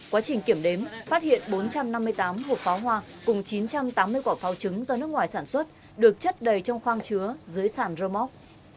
quá trình kiểm đếm phát hiện bốn trăm năm mươi tám hộp pháo hoa cùng chín trăm tám mươi quả pháo trứng do nước ngoài sản xuất được chất đầy trong khoang chứa dưới sàn rơ móc